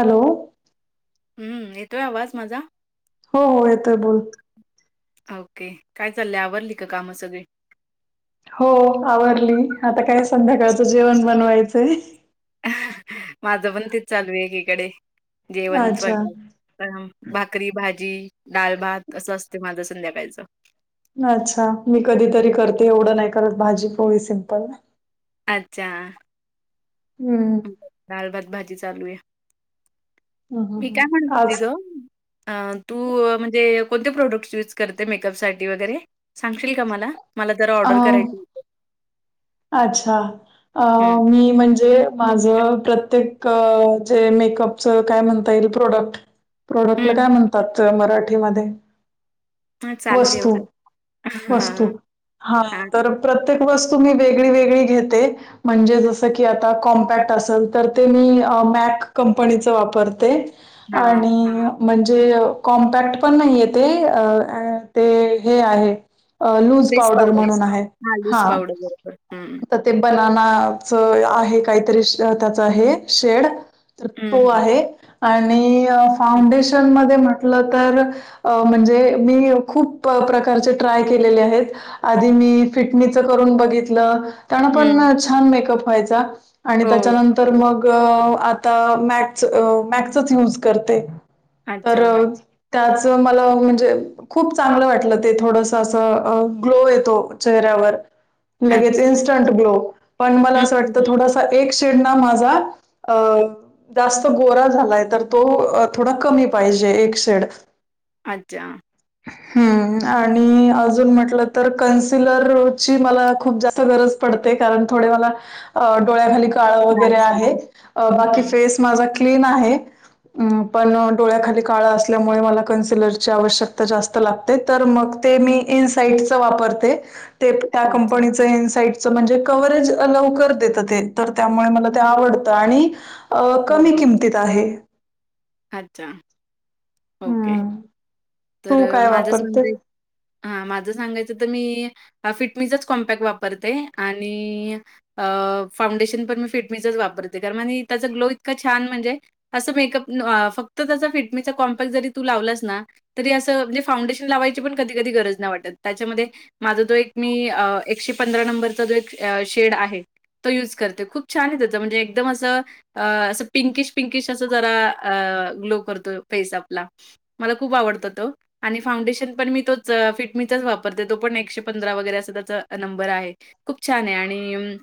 Hello हम्म येतोय आवाज माझा हो हो येतोय बोल ओके काय चाललं आवरली का कामं सगळी हो आवरली आता काय संध्याकाळचं जेवण बनवायचंय माझं पण तेच चालू आहे एकीकडे जेवण अच्छा स्वयपा प भाकरी भाजी डाल भात असं असते माझं संध्याकाळचं अच्छा मी कधीतरी करते एवढं नाही करत भाजी पोळी सिम्पल अच्छा हम्म लााल भात भाजी चालू आहे हम्म मी हम्म काय म्हणतो ति आज गं तू म्हणजे कोणते प्रोडक्ट्स यूज करते मेकअप सासाठी वगैरे सांगशील का मला मला जर अ ऑर्डर करायची अच्छा अ हं, मी म्हणजे माझ प्रत्येक जे मेकअपच काय म्हणता येईल प्रोडक्ट प्रोडक्टला हं. काय म्हणतात मराठीमध्ये हां, चालेल वस्तू एवढं. वस्तू हां, हा हां, तर प्रत्येक वस्तू मी वेगळी वेगळी घेते. म्हणजे जसं की आता कॉम्पॅक्ट असेल, तर ते मी मॅक कंपनीच वापरते. हां. आणि म्हणजे कॉम्पॅक्ट पण नाहीये तेे, ते हे आहे. लूज पावडर म्हणून आहे, हा. हा तर ते बनानाच आहे काहीतरी त्याच आहे शेड तो हं. आहे आणि हं, फाउंडेशन मध्ये म्हटलं तर अ म्हणजे मी खूप प्रकारचे ट्राय केलेले आहेत आधी मी फिटणीच करून बघितलं त्यानपण हं. छान मेकप व्हायचा, आणि हो. त्याच्यानंतर मग अ मॅक् मॅक्सच यूज करते, तर अच्छा, त्याच मला म्हणजे खूप चांगलं वाटलं ते, थोडस असं ग्लो येतो चेहऱ्यावर. लगेच अच्छा. इन्स्टंट ग्लो, पण मला हं, असं हं, वाटत हं. थोड एक शेड ना माझा, अ जास्त गोरा झालाय, तर तो थोडा कमी पाहिजे, एक शेड. अच्छा. हम्म, आणि अजून म्हटलं तर कन्सिलरची मला खूप जास्त गरज पडते, कारण थोडे मला, डोळ्याखाली काळ वगैरे आहे, गावसारखं. हं, बाकी हं. फेस माझा क्लीन आहे. पण डोळ्याखाली काळ असल्यामुळे मला कन्सलरची आवश्यकता जास्त मग ते मी इनसाईटच वापरते. ते त्या अच्छा. कंपनीचं इनसाइटचं म्हणजे कव्हवरेज अ लवकर देतं ते. तर त्यामुळे मला ते हं. आवडतं, आणि कमी बरोबर. किमतीत आहे. अच्छा, ओके. हं. तू तर काय माझ वापरते? सांगायच, हा, माझं सांगायचं तर मी हा फिटमीचच कॉम्पॅक्ट वापरते, आणि अ फाउंडेशन पण मी फिटमीचच वापरते, कारण आणि त्याचा ग्लो इतका छान म्हणजे. असं मेकअप, फक्त त्याचा फिटमीचा कॉम्पल्स जरी, तू लावलास ना. तरी असं, म्हणजे फाउंडेशन लावायची पण कधी कधी गरज नाही वाटत, त्याच्यामध्ये माझा तो एक मी, एकशे पंधरा नंबरचा जो एक शेड आहे. तो यूज करते, खूप छाने त्याच, म्हणजे एकदम असं अ असं, पिंकिश पिंकिश असं जरा, अ ग्लो करतो फेस आपला. मला खूप आवडतं तो. आणि फाउंडेशन पण मी तोच फिटमीचाच वापरते, तो पण एकशे पंधरा वगैरे असं त्याचा नंबर आहे. खूप छाने, आणि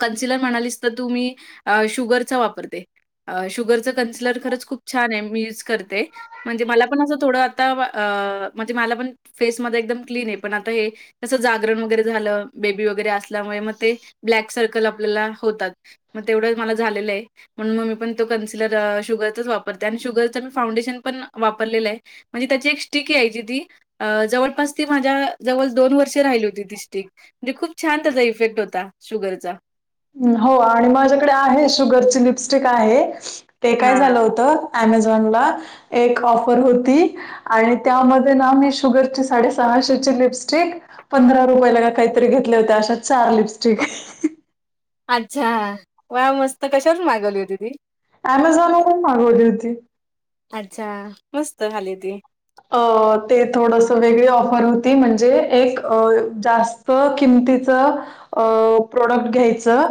कन्सिलर म्हणालीस तर तु मी, शुगरचा वापरते. अ शुगरचं कन्सलर खरंच खूप छाने, मी युज करते, म्हणजे मला पण असं थोडं आता, अ म्हणजे मला पण फेसमध्ये एकदम क्लीने, पण आता हे, कसं जागरण वगैरे झालं, बेबी वगैरे असल्यामुळे, मग ते ब्लॅक सर्कल आपल्याला होतात. म तेवढंच मला झालेलय. म्हणून मग मी पण तो कनसिलर शुगरच वापरते, आणि शुगरचं मी फाउंडेशन पण, वापर लेलय, म्हणजे त्याची एक स्टिके, जी ती जवळपास ती माझ्या जवळ दोन वर्ष राहिली होती ती स्टीक, म्हणजे खूप छान त्याचा इफेक्ट होता, शुगरचा. हो आणि माझ्याकडे आहे शुगरची लिपस्टिक आहे, ते काय झालं हां. होतं. अमेझॉनला एक ऑफर होती. आणि त्यामध्ये ना मी, शुगरची साडे सहाशेची लिपस्टिक पंधरा रुपयाला का काहीतरी घेतल्या होत्या, अशा चार लिपस्टिक. अच्छा, व्हाव मस्त, कशावरन मागवली होती ती? ॲमेझॉनवरून मागवली होती. अच्छा मस्त खाली त अ ते थोडस वेगळी ऑफर होती म्हणजे एक अ जास्त अ किमतीच प्रोडक्ट घ्यायचं.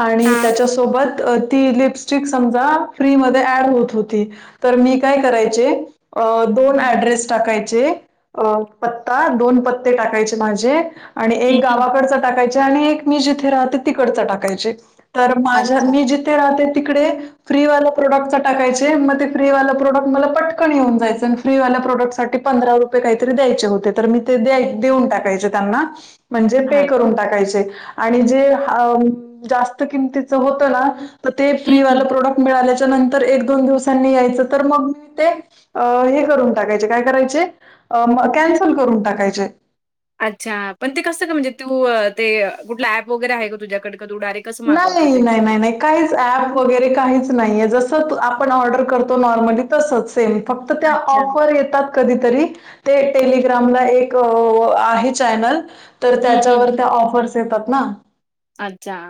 आणि हां. त्याच्यासोबत ती लिप्स स्टिक समजा फ्री मध्ये ऍड होत होती, तर मी काय करायचे अं दोन हं. ॲड टाकायचे अ पता, दोन पत्ते टाकायचे माझे. आणि हं, एक हं. गावाकडचं टाकायचे, आणि एक मी जिथे राहते तिकडच टाकायचे. तर माझ्या, अच्छा. मी जिथे राहते तिकडे फ्रीवाला प्रोडक्टचा टाकायचे, मग ते फ्रीवाला प्रोडक्ट मला पटकन येऊन जायचं, अन फ्रीवाला प्रोडक्ट साठी पंधरा रुपये काहीतरी द्यायचे होते तर मी ते द्याय देऊन टाकायचे त्यांना. म्हणजे पे हां का? करून टाकायचे आणि जे हा जास्त किमतीच होत ना तर ते हं, फ्री वाल हं. प्रोडक्ट मिळाल्याच्या नंतर एक दोन दिवसांनी यायचं तर मग मी ते हे करून टाकायचे काय करायचे कॅन्सल करून टाकायचे. अच्छा पण ते कसं ग म्हणजे तू ते कुठला ऍप वगैरे आहे का तुझ्याकडे? का तू डायरेक्ट कसं मागवते नाही ते? नाही नाही नाही काहीच ऍप मग? वगैरे काहीच नाही जस आपण ऑर्डर करतो नॉर्मली तसच सेम फक्त त्या अच्छा. ऑफर येतात कधीतरी ते टेलिग्रामला एक आहे चॅनल. तर हं, हं. त्याच्यावर त्या ऑफर्स येतात ना. अच्छा.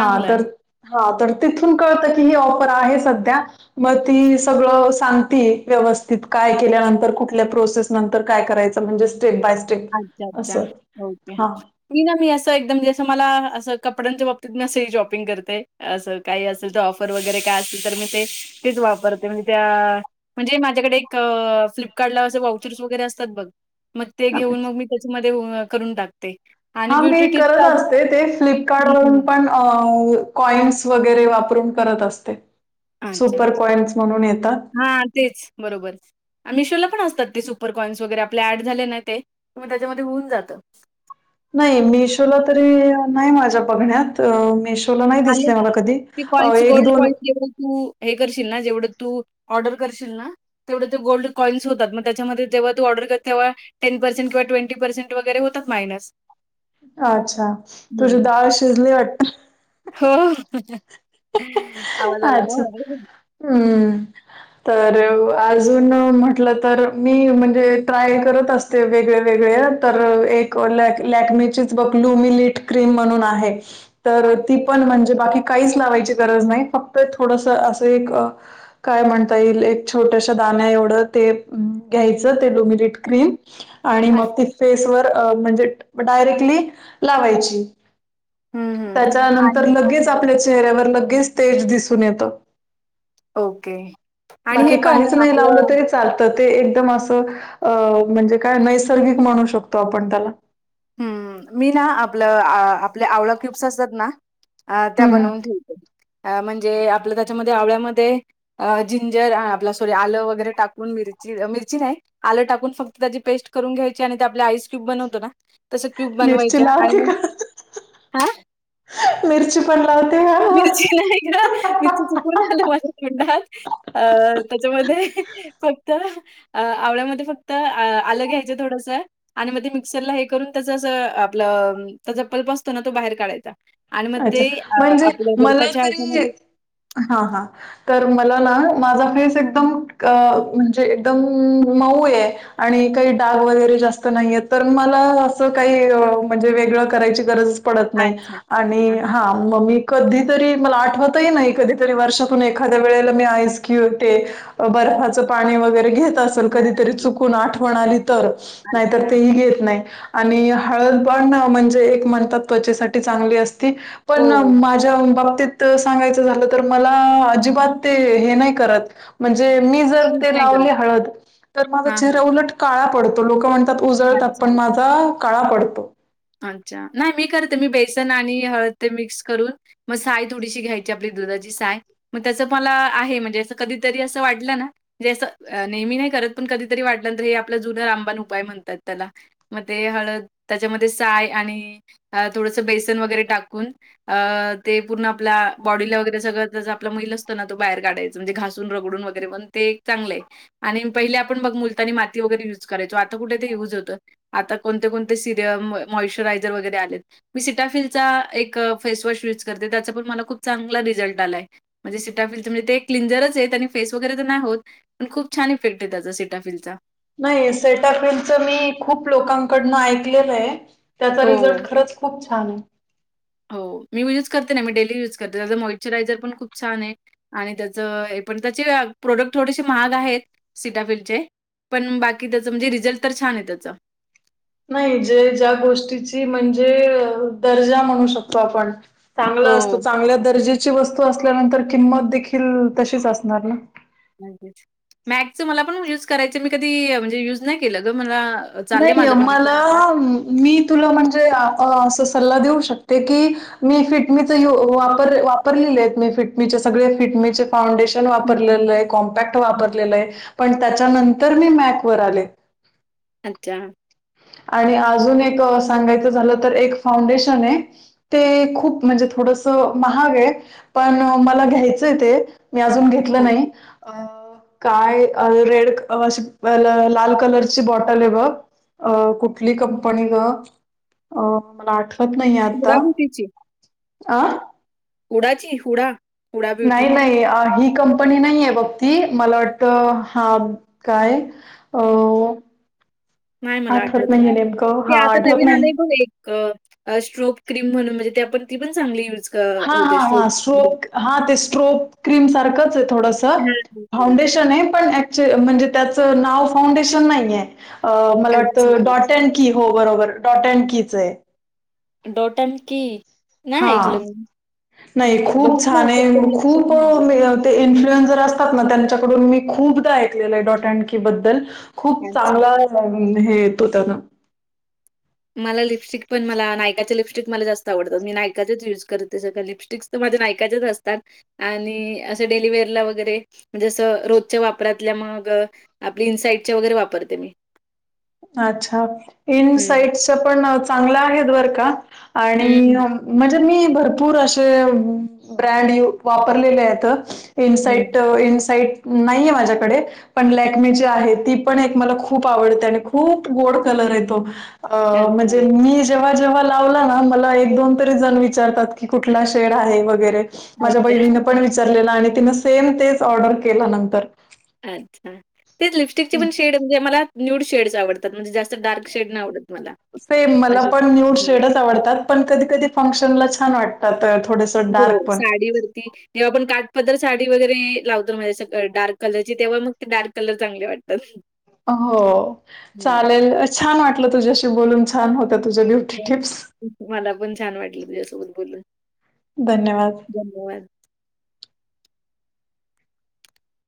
हा तर आहे. हा तर तिथून कळतं की ही ऑफर आहे सध्या. मग ती सगळं सांगते व्यवस्थित काय केल्यानंतर कुठल्या प्रोसेस नंतर काय करायचं म्हणजे स्टेप बाय स्टे अच्छा अच्छा ओके. मी ना मी असं एकदम म्हणजे मला असं कपड्यांच्या बाबतीत मी असं शॉपिंग करते असं. काही असेल तर ऑफर वगैरे काय असतील तर मी ते तेच वापरते म्हणजे त्या म्हणजे माझ्याकडे एक फ्लिपकार्टला असे वाउचस वगैरे असतात बग मग ते अच्छा. घेऊन मग मी त्याच्यामध्ये करून टाकते. आणि हा मी ब्युटी टिप्स करत अजून असते ते फ्लिपकार्ट हं, वरून हं. पण, अ कॉइन्स वगैरे वापरून करत असते. सुपर कॉइन्स म्हणून येतात. हा तेच. बरोबरच. मिशोला पण असतात ते सुपरकॉइन्स वगैरे आपले ॲड झाले नाही ते मग त्याच्यामध्ये होऊन जातं. नाही मिशोला तरी नाही माझ्या बघण्यात मिशो नाही दिसले मला कधी एक दोन [unintelligible] एवढं तू हे करशील ना, जेवढं तू ऑर्डर करशील ना, तेवढे ते गोल्ड कॉईनस होतात मग त्याच्यामध्ये जेव्हा तू ऑर्डर कर तेव्हा टेन पर्सेंट किंवा ट्वेंटी पर्सेंट वगैर होतात मायनस. अच्छा तुझी हं. डाळ शिजली वाटते. हो आवाज आला ना अच्छा होणार. हम्म. तर अजून म्हटलं तर मी म्हणजे ट्राय करत असतो वेगळे वेगळे तर एक लॅकमेचीच बघ लूमट क्रीम म्हणून आहे तर ती अच्छा, पण म्हणजे बाकी काहीच लावायची गरज नाही फक्त थोडस असं एक काय म्हणता येईल एक छोट्याशा दाण्या एवढं ते घ्यायचं ते लुमिरीिट क्रीम आणि मग अच्छा. ती फेसवरर म्हणजे डायरेक्टली लावायची हं, हं. त्याच्यानंतर आणि लगेच आपल्या चेहऱ्यावर लगेच तेज दिसून येतं ओके आणि हे बाकी पण काहीच नाही लावलं आपलं तरी चाल तर ते एकदम असं अ म्हणजे काय नैसर्गिक म्हणू शकतो आपण त्याला. हम्म मी ना आपलं आपल्या आवळं क्युब्स असतात ना आं त्या हम्म बनवून ठेक अ म्हणजे आपलं त्याच्यामध्ये आवळ्यामध्ये अ जिंजर आपला सॉरी आलं वगैरे टाकून मिरची मिरची नाही... आलं टाकून फक्त त्याची पेस्ट करून घ्यायची आणि ते आपल्या आईस क्यूब बनवतो ना... तसं क्यूब मिरची बनवायच्या आणि लावते मग का? हा... मिरची पण लावते का? मिरची नाही ग मिरची चुकून आलं माझ्या तोंडात.... अ त्याच्यामध्ये फक्त..... अ आवळ्यामध्ये फक्त आलं घ्यायचं थोडस.... आणि मग मिक्सरला हे करून त्याच अस आपलं त्याचा पल्प असतो ना तो बाहेर काढायचा... आणि मग ते अच्छा आपल्या बर्फाच्या ह्याच्यामाझ्ये..... हा हा.... तर मला ना माझा फेस एकदम अ म्हणजे एकदम मऊ आहे... आणि काही डाग वगैरे जास्त नाहीय तर मला असं काही म्हणजे वेगळं करायची गरज.... पडत नाही अच्छा. आणि हां, हा.... मग मी कधीतरी मला आठवतही नाही कधीतरी वर्षातून एखाद्या वेळेला मी आईस क्यत बर्फाचं पाणी वगैरे घेत अस.... कधी हां. चुकून आठवण आली तर नाहीतर अच्छा. ते घेत नाही.... आणि हळदबाण म्हणजे एक म्हणतात त्वचेसाठी चांगली असती पण हो. माझ हा ते बाबतीत सांगायचं झालं तर मला ते अजिबात हे नाही करत. म्हणजे मी जर सूट ते नाही करत. लावली हळद तर माझा हां, हां. चेहरा उलट काळा पडतो लोक म्हण.... उजळतात अच्छा. पण माझा काळा पडतो.... अच्छा नाही मी करते मी बेसन आणि हळद मिक्स करून... मग साय थोडीशी घ्यायची आपली दुधाची साय.... मग त्याचं मला आहे म्हणजे असं कधीतरी असं वाटलं ना.... म्हणजे असं नेहमी नाही करत पण कधीतरी वाटलंंत हे आपला जुन रामबान उपाय म्हणतात त्याला.... मग ते हळद त्याच्यामध्ये साय आणि थोडस बेसन वगैरे टाकून.... अ ते पूर्ण आपल्या बॉडीला वगैरे सगळं त्या आपला मैल असतो ना तो बाहेर काढायचा.... म्हणजे घासून रगडून वगैरे मण ते एक चांगलं आहे... आणि पहिले आपण ब मुलतानी माती वगैरे युज करायचो आता कुठे ते युज होतं आता कोणते कोणते.... मॉचरायझर वगैरे आले.... मी सिटाफिलचा एक फेसवॉश युज करते त्याचा पण मला खूप चांगला रिझल्ट आलाय.... म्हणजे सटफिल तर म्हणे ते क्लिंजरच आहेत आणि फेस वगैरे तर नाही होत पण खूप छान इफेक्ट आहे त्याचा सिटाफिलचा... नाही सेटाफिमच मी खूप लोकांकडन ऐकलेलं आहे.... त्याचा हो, रिझल्ट खरंच खूप छान आहे.... हो मी युज करते ना मी डेली युज करते त्याचां मॉइश्चरायझर खूप छान आहे..... आणि त्याचं पण त्याचे प्रोडक्ट थोडेसे महाग आहेत सिटाफीलड चे.... पण बाकी त्याचं म्हणजे रिझल्ट तर छान आहे त्याचा.... नाही जे ज्या गोष्टीची म्हणजे दर्जा म्हणू शकतो आपण.... चांगला हो. असतो चांगल्या दर्जेची वस्तू असल्यानंतर किंमत देखील तशीच असणार ना... मॅगच मला पण युज करायच मी कधी म्हणजे युज नाही केलं ग मला.... चाललंय नाहीय माझा पण मला... विचार आता. मी तुला म्हणजे अस सल्ला देऊ शकते की मी फिटमीचा वापर... वापरलेले आहेत मी फिटमीचे सगळे फिटमीचे.... फाउंडेशन हं, हं, वापरलेलं आहे कॉम्पॅक्ट हं, हं. वापरलेलं आहे पण त्याच्यानंतर मी मॅकवर आले..... अच्छा.... आणि अजून एक सांगायचं झालं तर एक फाउंडेशन आहे... ते खूप म्हणजे थोडस महाग आहे पण मला घ्यायचंय ते मी अजून घेतलं नाही ओके. अ काय रेड अशी लाल कलरची बॉटल आहे बघ अ कुठली कंपनी ग मला आठ पत नाही आता हुडा ब्युटीची. आ.. हुडाची हुडा.... हुडा ब्युटी. नाही नाही ही कंपनी नाही आहे बघती मला वाटत हा काय? हो.... नाही मला आठवतलं नेमकं ते हा आता आठवत घवीन नाही आलंय बघ एक स्ट्रोप्र्रीम म्हणून म्हणजे ते आपण ती पण चांगली यूज क हा हा होते हा स्ट्रोब क्रीम. शोक हा ते स्ट्रोप क्रीम सारखंच आहे थोडस हां, हां, हां. फाउंडेशन आहे पण [unintelligible] अच्छा. टॉट अँड की हो बरोबर टडॉट अँड कीच आहे डोटमकीी हा नाही म्हणजे ब खूप बघितलं छान आहे असेल पण लक्षात खूप नाही आलं. ते इन्फ्लुएं्र असतात ना त्यांच्याकडून मी खूपदा ऐकलं आहे डॉट अँड की बद्दल खूप अच्छा. चांगला हे येतो त्यानं मला लिपस्टिक पण मला नायकाच्या लिपस्टिक मला जास्त आवत मी नायकाचेच युज करतते ते सगं लिपस्टिक माझ्या नायकाचेच असतात आणि असं डेलीवेअर ला वगैरे जसं रोजच्या वापरातल्या मग आपली इन्साइटच्या वगैरे वापरते मी अच्छा इन हं. साइट पण चांगलं आहेत बर का आणि हं, म्हणजे मी भरपूर असे ब्रँड वापरलेले आहेत हं. इनसईट इनसईट नाहीये माझ्याकडे पण लॅकमे जी आहे ती पण एक मला खूप आवडते आणि खूप गोड कलर येतो अच्छा, म्हणजे मी जेव्हा जेव्हा लावला ना मला एक दोन तरी जण विचारतात की कुठला शेड आहे वगैरे माझ्या अच्छा, बहिणीन पण विचारलेलं आणि तिनं सेम तेच ऑर्डर केलं नंतर अच्छा ते लिपस्टिक ची पण शेड म्हणजे मला न्यड शेड आवडत त्यात म्हणजे जास्त डार्क शेड नाही आवडत मला अ तात पण कधी कधी फंशन ला छ वातात हो साडीवररती जेव्हा आपण काटपद्तर साडी वगैरे लावतो म्हजे डार्क कलरची तेव्हा मग ते डार्क कलर चांगले वाटतात हो हं. चालेल छान वाटलं तुझ्याशी बोलून छान होत्या तुझ्या ब्युटी टिप्स मला पण छान वाटलं तुझ्यासोबत बोलून धन्यवाद धन्यवाद